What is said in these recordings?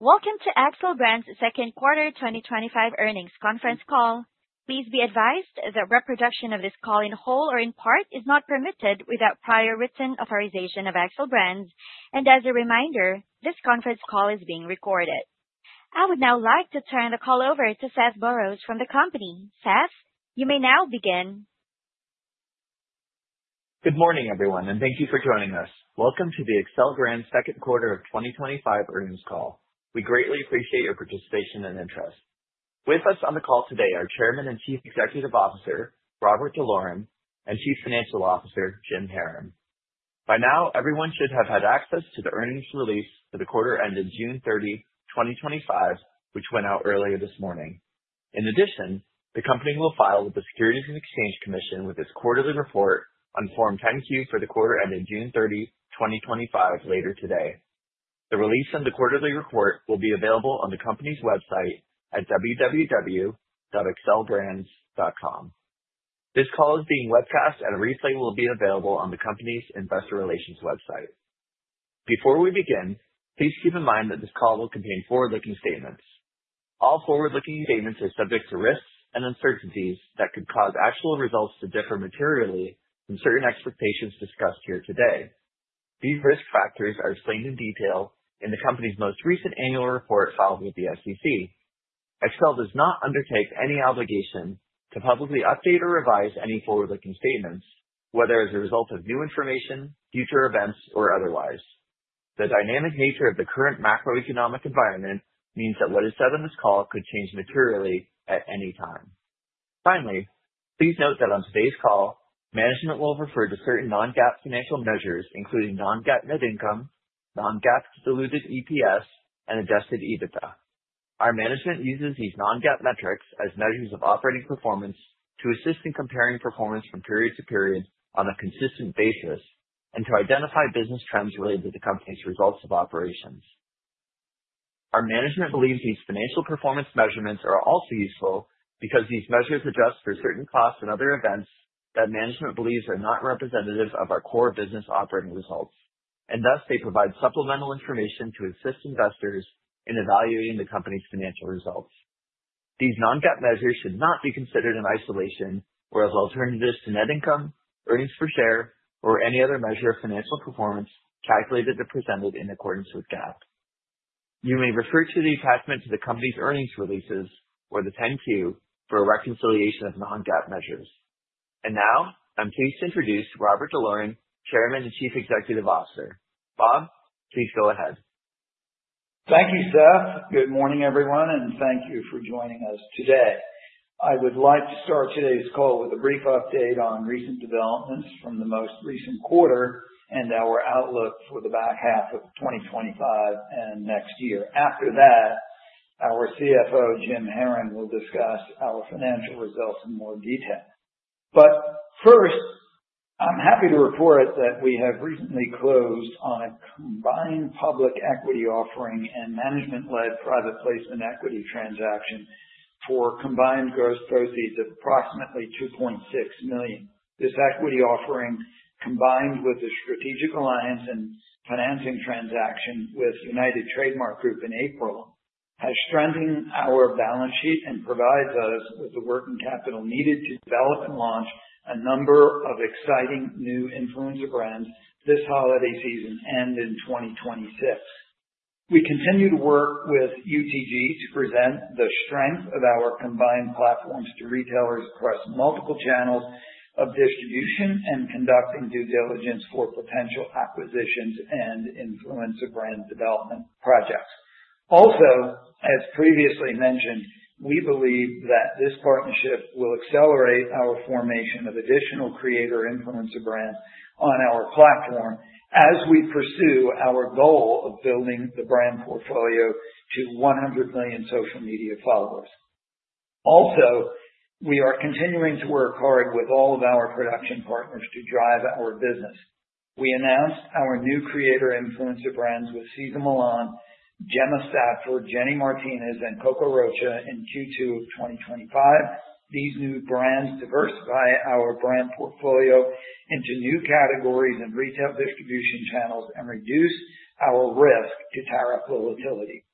Welcome to Xcel Brands' Second Quarter 2025 Earnings Conference Call. Please be advised that reproduction of this call in whole or in part is not permitted without prior written authorization of Xcel Brands. As a reminder, this conference call is being recorded. I would now like to turn the call over to Seth Burroughs from the company. Seth, you may now begin. Good morning, everyone, and thank you for joining us. Welcome to the Xcel Brands second quarter of 2025 earnings call. We greatly appreciate your participation and interest. With us on the call today are Chairman and Chief Executive Officer Robert D'Loren and Chief Financial Officer Jim Haran. By now, everyone should have had access to the earnings release for the quarter ending June 30, 2025, which went out earlier this morning. In addition, the company will file with the Securities and Exchange Commission its quarterly report on Form 10-Q for the quarter ending June 30, 2025, later today. The release of the quarterly report will be available on the company's website at www.xcelbrands.com. This call is being webcast and will be available on the company's investor relations website. Before we begin, please keep in mind that this call will contain forward-looking statements. All forward-looking statements are subject to risks and uncertainties that could cause actual results to differ materially from certain expectations discussed here today. These risk factors are explained in detail in the company's most recent annual report filed with the SEC. Xcel does not undertake any obligation to publicly update or revise any forward-looking statements, whether as a result of new information, future events, or otherwise. The dynamic nature of the current macroeconomic environment means that what is said on this call could change materially at any time. Finally, please note that on today's call, management will refer to certain non-GAAP financial measures, including non-GAAP net income, non-GAAP diluted EPS, and adjusted EBITDA. Our management uses these non-GAAP metrics as measures of operating performance to assist in comparing performance from period to period on a consistent basis and to identify business trends related to the company's results of operations. Our management believes these financial performance measurements are also useful because these measures adjust for certain costs and other events that management believes are not representative of our core business operating results, and thus they provide supplemental information to assist investors in evaluating the company's financial results. These non-GAAP measures should not be considered in isolation or as alternatives to net income, earnings per share, or any other measure of financial performance calculated and presented in accordance with GAAP. You may refer to the attachment to the company's earnings releases or the 10-Q for a reconciliation of non-GAAP measures. Now, I'm pleased to introduce Robert D'Loren, Chairman and Chief Executive Officer. Bob, please go ahead. Thank you, Seth. Good morning, everyone, and thank you for joining us today. I would like to start today's call with a brief update on recent developments from the most recent quarter and our outlook for the back half of 2025 and next year. After that, our CFO, Jim Haran, will discuss our financial results in more detail. I'm happy to report that we have recently closed on a combined public equity offering and management-led private placement equity transaction for a combined gross proceeds of approximately $2.6 million. This equity offering, combined with a strategic alliance and financing transaction with United Trademark Group in April, has strengthened our balance sheet and provides us with the working capital needed to develop and launch a number of exciting new influencer brands this holiday season and in 2026. We continue to work with United Trademark Group to present the strength of our combined platforms to retailers across multiple channels of distribution and conducting due diligence for potential acquisitions and influencer brand development projects. Also, as previously mentioned, we believe that this partnership will accelerate our formation of additional creator influencer brands on our platform as we pursue our goal of building the brand portfolio to 100 million social media followers. We are continuing to work hard with all of our production partners to drive our business. We announced our new creator influencer brands with Cesar Millan, Gemma Stafford, Jenny Martinez, and Coco Rocha in Q2 2025. These new brands diversify our brand portfolio into new categories of retail distribution channels and reduce our risk to tariff volatility.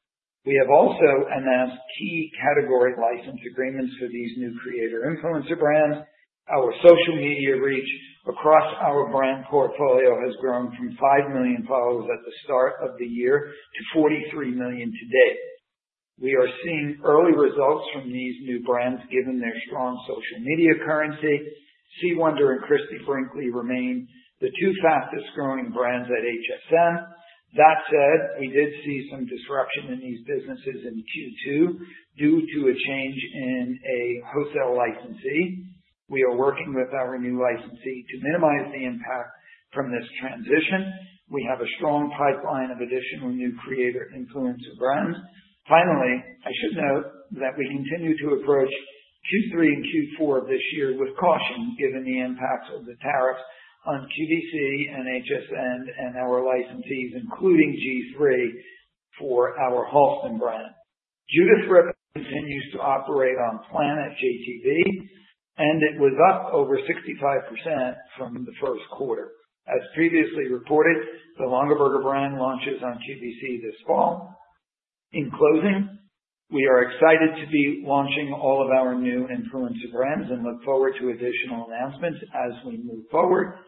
We have also announced key category license agreements for these new creator influencer brands. Our social media reach across our brand portfolio has grown from 5 million followers at the start of the year to 43 million today. We are seeing early results from these new brands given their strong social media currency. C. Wonder and Towerhill by Christie Brinkley remain the two fastest-growing brands at HSN. That said, we did see some disruption in these businesses in Q2 due to a change in a wholesale licensee. We are working with our new licensee to minimize the impact from this transition. We have a strong pipeline of additional new creator influencer brands. Finally, I should note that we continue to approach Q3 and Q4 of this year with caution given the impacts of the tariff on QVC and HSN and our licensees, including G-III, for our Halston brand. Judith Ripka continues to operate on plan at JTV, and it was up over 65% from the first quarter. As previously reported, the Longaberger brand launches on QVC this fall. In closing, we are excited to be launching all of our new influencer brands and look forward to additional announcements as we move forward.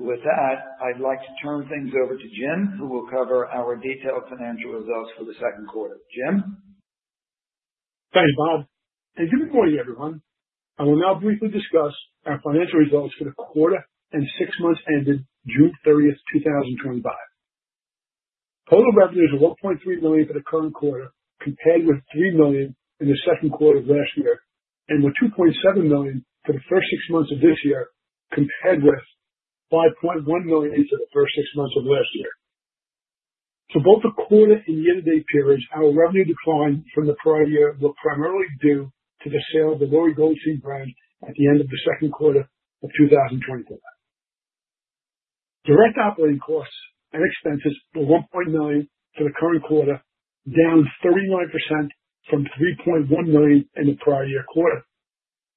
With that, I'd like to turn things over to Jim, who will cover our detailed financial results for the second quarter. Jim? Thank you, Bob. Good morning, everyone. I will now briefly discuss our financial results for the quarter and six months ended June 30, 2025. Total revenues are $1.3 million for the current quarter, compared with $3 million in the second quarter of last year, and were $2.7 million for the first six months of this year, compared with $5.1 million in the first six months of last year. For both the quarter and year-to-date series, our revenue decline from the prior year was primarily due to the sale of the Lori Goldstein brand at the end of the second quarter of 2024. Direct operating costs and expenses were $1.9 million for the current quarter, down 39% from $3.1 million in the prior year quarter.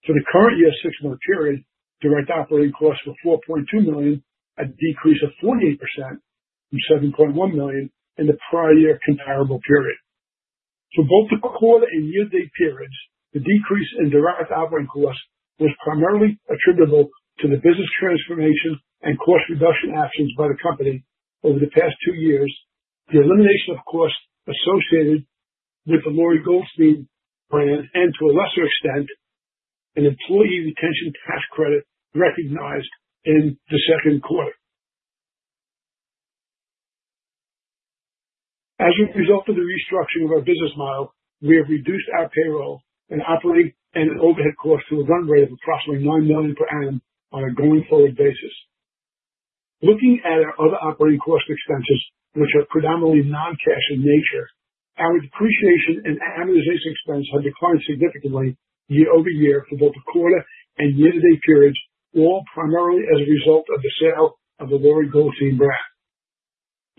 For the current year's six-month period, direct operating costs were $4.2 million, a decrease of 48% from $7.1 million in the prior year comparable period. For both the quarter and year-to-date periods, the decrease in direct operating costs was primarily attributable to the business transformation and cost reduction actions by the company over the past two years, the elimination of costs associated with the Lori Goldstein brand, and to a lesser extent, an employee retention tax credit recognized in the second quarter. As a result of the restructuring of our business model, we have reduced our payroll and operating and overhead costs to a run rate of approximately $9 million per annum on a going forward basis. Looking at our other operating cost expenses, which are predominantly non-cash in nature, our depreciation and amortization expense have declined significantly year-over-year for both the quarter and year-to-date periods, all primarily as a result of the sale of the Lori Goldstein brand.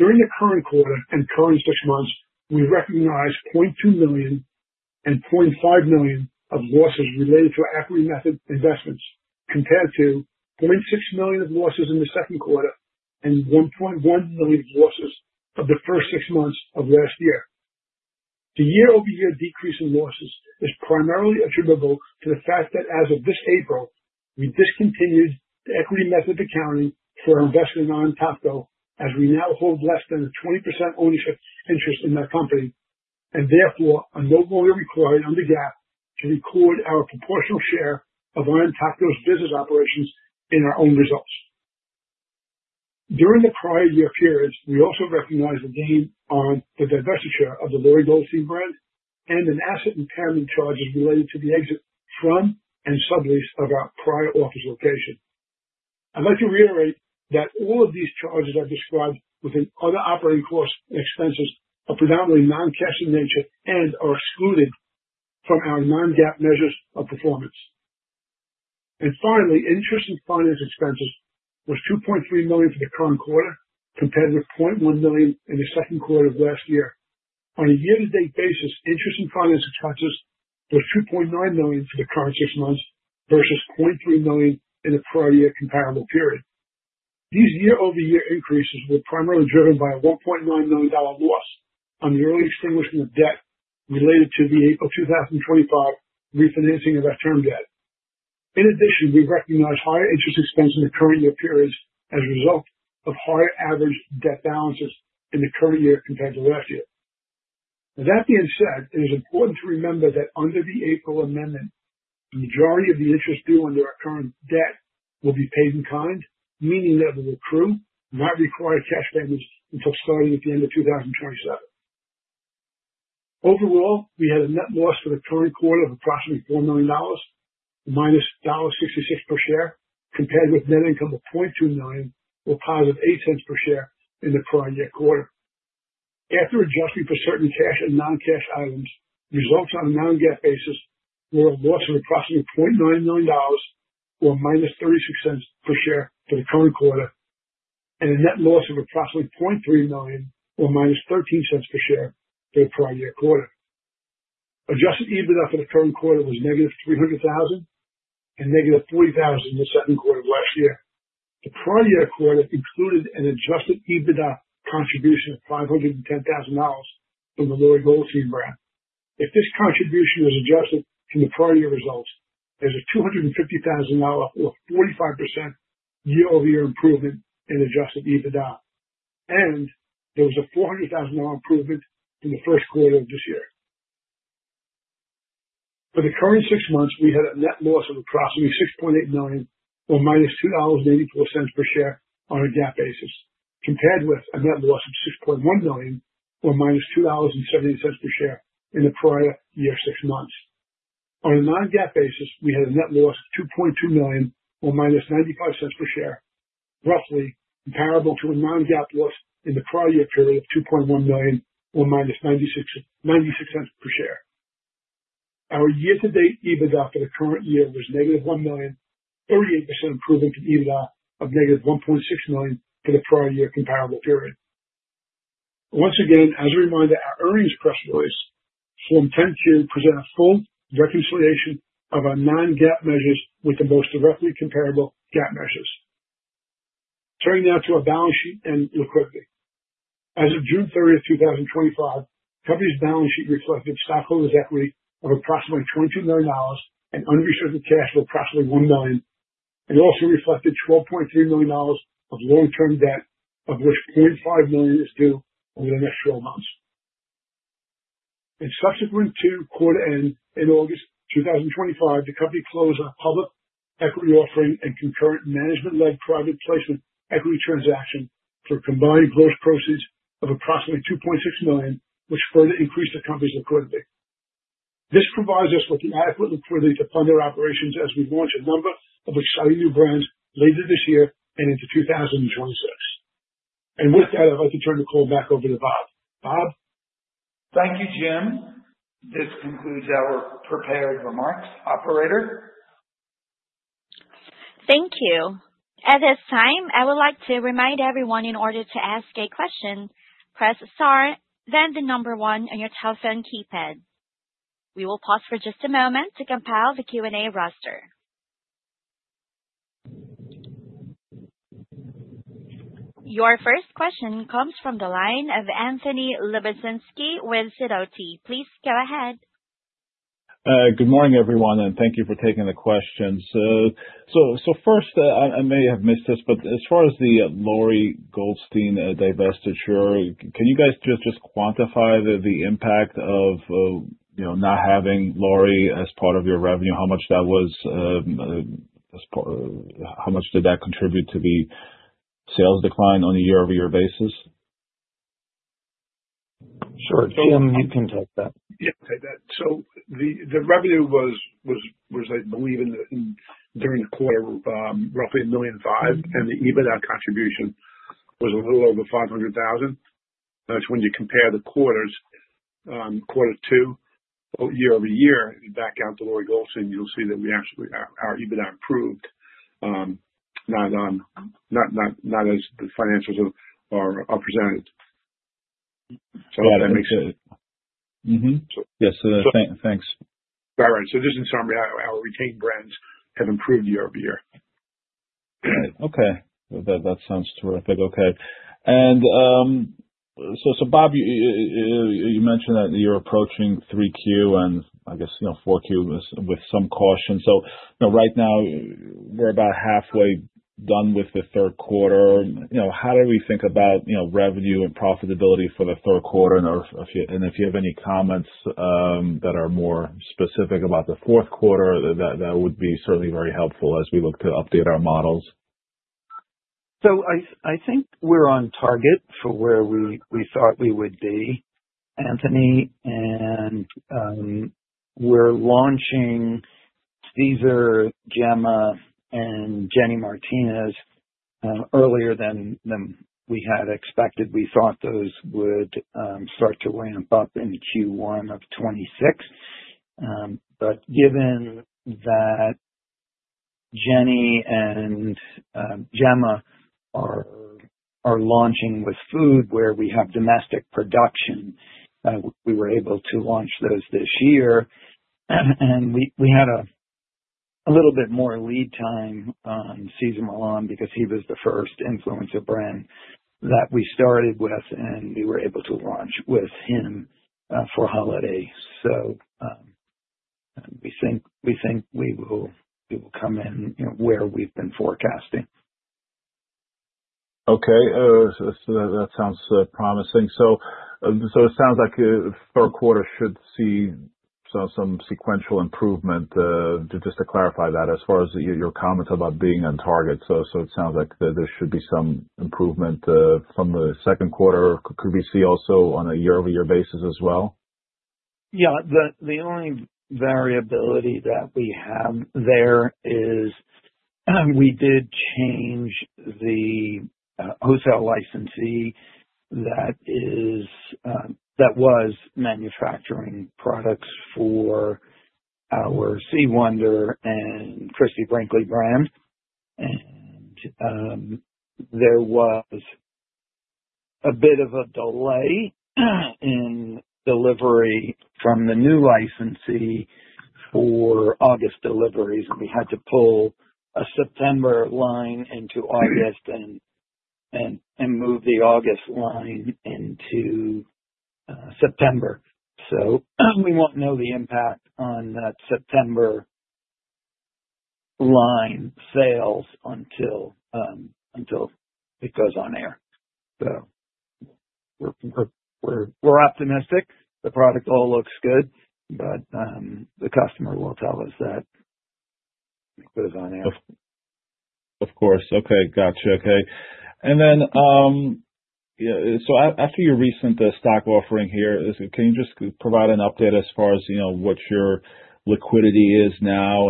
During the current quarter and current six months, we recognized $0.2 million and $0.5 million of losses related to our equity method investments, compared to $0.6 million of losses in the second quarter and $1.1 million of losses in the first six months of last year. The year-over-year decrease in losses is primarily attributable to the fact that as of this April, we discontinued the equity method accounting for our investment in Ontacto, as we now hold less than a 20% ownership interest in that company, and therefore are no longer required under GAAP to record our proportional share of Ontacto's business operations in our own results. During the prior year periods, we also recognized a gain on the divestiture of the Lori Goldstein brand and an asset entitlement charge related to the exit fund and sublease of our prior office location. I'd like to reiterate that all of these charges are described within other operating costs and expenses, are predominantly non-cash in nature, and are excluded from our non-GAAP measures of performance. Finally, interest and finance expenses were $2.3 million for the current quarter, compared with $0.1 million in the second quarter of last year. On a year-to-date basis, interest and finance expenses were $2.9 million for the current six months versus $0.3 million in the prior year comparable period. These year-over-year increases were primarily driven by a $1.9 million loss on the early extinguishment of debt related to the April 2025 refinancing of our term debt. In addition, we recognized higher interest expense in the current year periods as a result of higher average debt balances in the current year compared to last year. With that being said, it is important to remember that under the April amendment, the majority of the interest due under our current debt will be paid in kind, meaning that the requirement might not require cash payments until starting at the end of 2027. Overall, we had a net loss for the current quarter of approximately $4 million or -$1.56 per share, compared with net income of $0.2 million or +$0.08 per share in the prior year quarter. After adjusting for certain cash and non-cash items, the loss on a non-GAAP basis was approximately $0.9 million or -$0.36 per share for the current quarter, and a net loss of approximately $0.3 million or -$0.13 per share in the prior year quarter. Adjusted EBITDA for the current quarter was -$300,000 and -$40,000 in the second quarter of last year. The prior year quarter included an adjusted EBITDA contribution of $510,000 from the Lori Goldstein brand. If this contribution was adjusted in the prior year results, there's a $250,000 or 45% year-over-year improvement in adjusted EBITDA, and there was a $400,000 improvement in the first quarter of this year. For the current six months, we had a net loss of approximately $6.8 million or -$2.84 per share on a GAAP basis, compared with a net loss of $6.1 million or -$2.70 per share in the prior year six months. On a non-GAAP basis, we had a net loss of $2.2 million or -$0.95 per share, roughly comparable to a non-GAAP loss in the prior year period of $2.1 million or -$0.96 per share. Our year-to-date EBITDA for the current year was -$1 million, 38% improvement from EBITDA of -$1.6 million for the prior year comparable period. Once again, as a reminder, our earnings press release Form 10-Q presents full reconciliation of our non-GAAP measures with the most directly comparable GAAP measures. Turning now to our balance sheet and liquidity. As of June 30, 2025, the company's balance sheet reflected stockholders' equity of approximately $22 million and unrestricted cash of approximately $1 million, and it also reflected $12.3 million of long-term debt, of which $0.05 million is due over the next 12 months. In subsequent two quarter ends in August 2025, the company closed on a public equity offering and concurrent management-led private placement equity transaction for a combined gross proceeds of approximately $2.6 million, which further increased the company's liquidity. This provides us with the adequate liquidity to fund our operations as we launch a number of exciting new brands later this year and into 2026. With that, I'd like to turn the call back over to Bob. Bob? Thank you, Jim. This concludes our prepared remarks. Operator? Thank you. At this time, I would like to remind everyone in order to ask a question, press star then the number one on your telephone keypad. We will pause for just a moment to compile the Q&A roster. Your first question comes from the line of Anthony Lebiedzinski with Sidoti. Please go ahead. Good morning, everyone, and thank you for taking the question. First, I may have missed this, but as far as the Lori Goldstein divestiture, can you guys just quantify the impact of, you know, not having Lori as part of your revenue? How much that was, how much did that contribute to the sales decline on a year-over-year basis? Sure. Jim, you can take that. Yeah, take that. The revenue was, I believe, during the quarter, roughly $1.5 million, and the EBITDA contribution was a little over $500,000. That's when you compare the quarters, quarter two year-over-year, you back out the Lori Goldstein, you'll see that we actually, our EBITDA improved, not as the financials are presented. Got it. Yeah, thanks. All right. Just in summary, our retained brands have improved year-over-year. All right. That sounds terrific. Bob, you mentioned that you're approaching 3Q and I guess, you know, 4Q with some caution. Right now, we're about halfway done with the third quarter. How do we think about, you know, revenue and profitability for the third quarter? If you have any comments that are more specific about the fourth quarter, that would be certainly very helpful as we look to update our models. I think we're on target for where we thought we would be, Anthony. We're launching Cesar, Gemma, and Jenny Martinez Live earlier than we had expected. We thought those would start to ramp up in Q1 of 2026, but given that Jenny and Gemma are launching with food where we have domestic production, we were able to launch those this year. We had a little bit more lead time on Cesar Millan, because he was the first influencer brand that we started with, and we were able to launch with him for holidays. We think we will come in where we've been forecasting. Okay, that sounds promising. It sounds like the third quarter should see some sequential improvement. Just to clarify that, as far as your comments about being on target, it sounds like there should be some improvement from the second quarter. Could we see also on a year-over-year basis as well? Yeah. The only variability that we have there is, we did change the wholesale licensee that was manufacturing products for our C. Wonder and Christie Brinkley brand. There was a bit of a delay in delivery from the new licensee for August deliveries, and we had to pull a September line into August and move the August line into September. We won't know the impact on that September line sales until it goes on air. We're optimistic. The product all looks good, but the customer will tell us when it goes on air. Of course. Okay. Gotcha. Okay. After your recent stock offering, can you just provide an update as far as what your liquidity is now?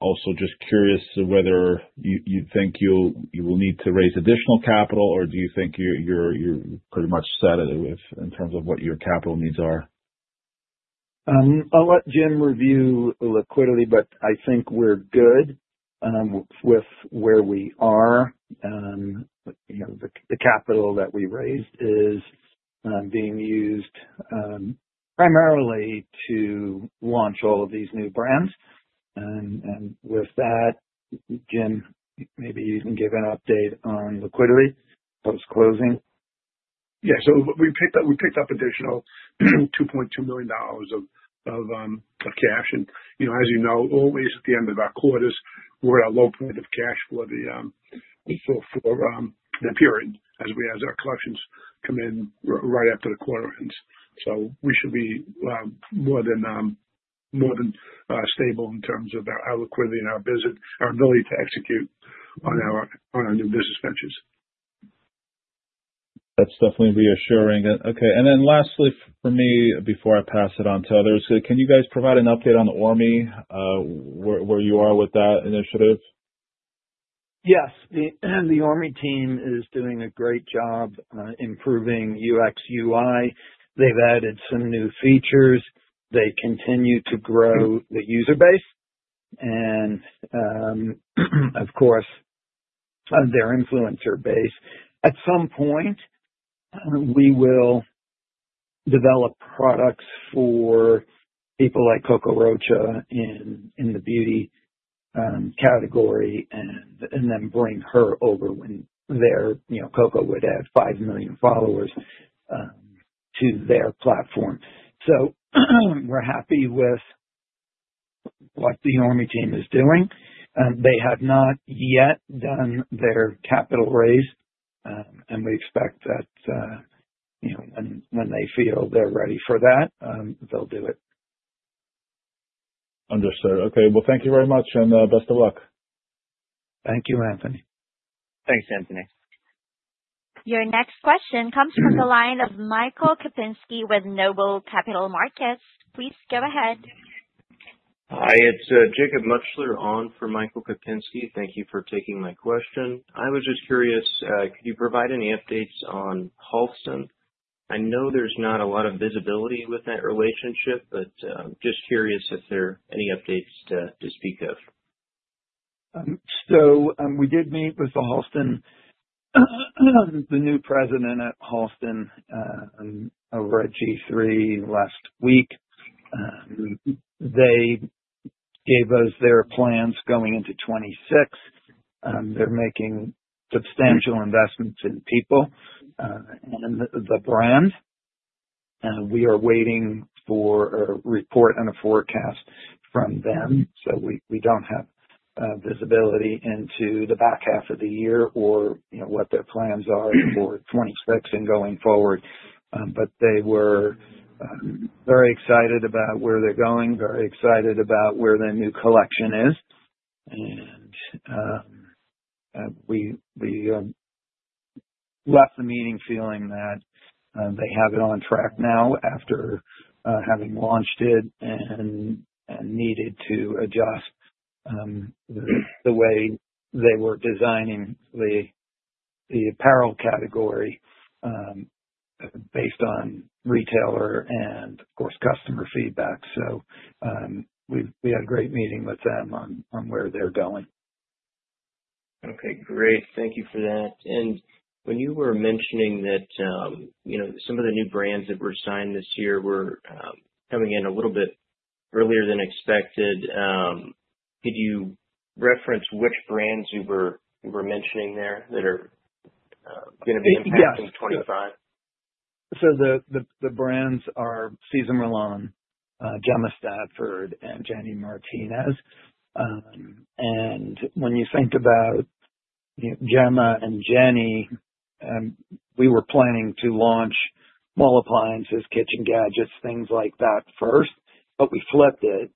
Also, just curious whether you think you'll need to raise additional capital, or do you think you're pretty much set in terms of what your capital needs are? I'll let Jim review liquidity, but I think we're good with where we are. The capital that we raised is being used primarily to launch all of these new brands. With that, Jim, maybe you can give an update on liquidity post-closing. Yeah. We picked up additional $2.2 million of cash. As you know, always at the end of our quarters, we're at a low point of cash for the period as our collections come in right after the quarter ends. We should be more than stable in terms of our liquidity and our business, our ability to execute on our new business ventures. That's definitely reassuring. Lastly, for me, before I pass it on to others, can you guys provide an update on the ORME, where you are with that initiative? Yes. The ORME team is doing a great job, improving UX/UI. They've added some new features. They continue to grow the user base and, of course, their influencer base. At some point, we will develop products for people like Coco Rocha in the beauty category and then bring her over when, you know, Coco would have 5 million followers, to their platform. We're happy with what the ORME team is doing. They have not yet done their capital raise, and we expect that, you know, when they feel they're ready for that, they'll do it. Understood. Thank you very much, and best of luck. Thank you, Anthony. Thanks, Anthony. Your next question comes from the line of Michael Kupinski with Noble Capital Markets. Please go ahead. Hi. It's Jacob Mutchler on for Michael Kupinski. Thank you for taking my question. I was just curious, could you provide any updates on Halston? I know there's not a lot of visibility with that relationship, but I'm just curious if there are any updates to speak of. We did meet with Halston. I don't know the new president at Halston. I read G-III last week. They gave us their plans going into 2026. They're making substantial investments in people and the brand. We are waiting for a report and a forecast from them. We don't have visibility into the back half of the year or, you know, what their plans are for 2026 and going forward. They were very excited about where they're going, very excited about where their new collection is. We left the meeting feeling that they have it on track now after having launched it and needed to adjust the way they were designing the apparel category based on retailer and, of course, customer feedback. We had a great meeting with them on where they're going. Okay. Great. Thank you for that. When you were mentioning that some of the new brands that were signed this year were coming in a little bit earlier than expected, could you reference which brands you were mentioning there that are going to be impacting 2025? The brands are Cesar Millan, Gemma Stafford, and Jenny Martinez. When you think about Gemma and Jenny, we were planning to launch small appliances, kitchen gadgets, things like that first, but we flipped it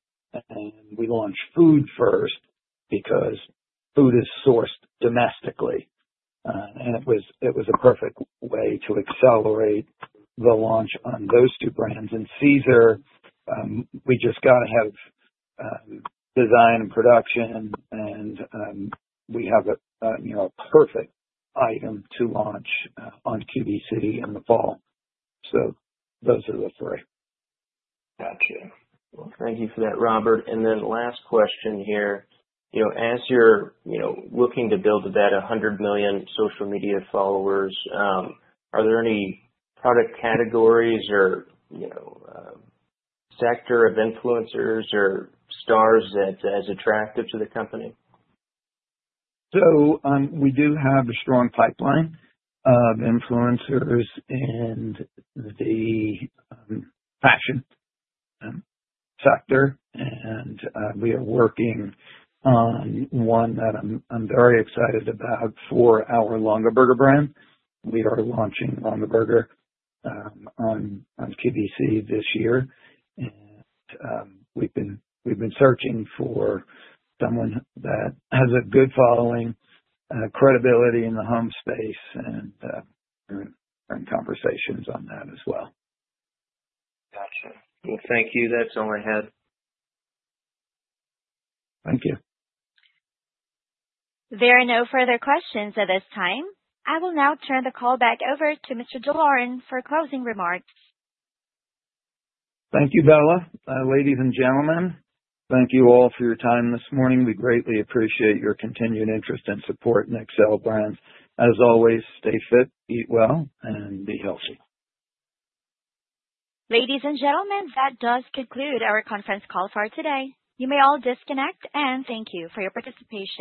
and we launched food first because food is sourced domestically. It was a perfect way to accelerate the launch on those two brands. For Cesar, we just got to have design and production, and we have a perfect item to launch on QVC in the fall. Those are the three. Gotcha. Thank you for that, Robert. Last question here. As you're looking to build to that $100 million social media followers, are there any product categories or sector of influencers or stars that's as attractive to the company? We do have a strong pipeline of influencers in the fashion sector, and we are working on one that I'm very excited about for our Longaberger brand. We are launching Longaberger on QVC this year. We've been searching for someone that has a good following, credibility in the home space, and having conversations on that as well. Thank you. That's all I had. Thank you. There are no further questions at this time. I will now turn the call back over to Mr. D'Loren for closing remarks. Thank you, Bella. Ladies and gentlemen, thank you all for your time this morning. We greatly appreciate your continued interest and support in Xcel Brands. As always, stay fit, eat well, and be healthy. Ladies and gentlemen, that does conclude our conference call for today. You may all disconnect, and thank you for your participation.